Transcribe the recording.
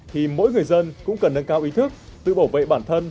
thì mỗi người dân cũng cần nâng cao ý thức tự bảo vệ bản thân